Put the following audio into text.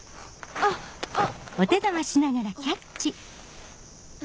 あっおっ。